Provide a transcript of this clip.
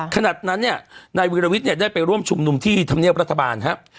ขนาดนั้นเนี่ยนายวิรวิทย์เนี่ยได้ไปร่วมชุมนุมที่ธรรมเนียบรัฐบาลครับ